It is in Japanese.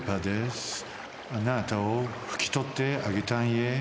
あなたをふきとってあげたんいえ。